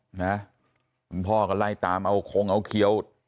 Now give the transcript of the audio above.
จำพอกันไล่ตามเอาโคงเอาเขียว